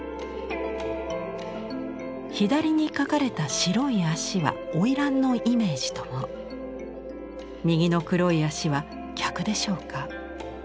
左に描かれた白い足は花魁のイメージとも。右の黒い足は客でしょうか。